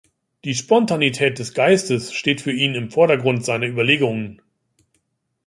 Die Spontanität des Geistes steht für ihn im Vordergrund seiner Überlegungen.